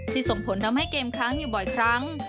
ส่งผลทำให้เกมครั้งอยู่บ่อยครั้ง